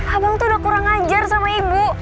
abang tuh udah kurang ajar sama ibu